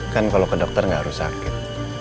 kan kalau ke dokter nggak harus sakit